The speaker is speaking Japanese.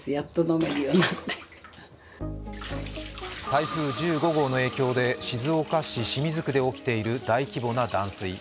台風１５号の影響で静岡市清水区で起きている大規模な断水。